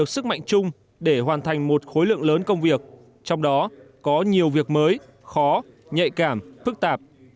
sức mạnh chung để hoàn thành một khối lượng lớn công việc trong đó có nhiều việc mới khó nhạy cảm phức tạp